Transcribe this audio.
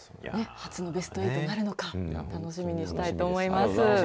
初のベスト８になるのか、楽しみにしたいと思います。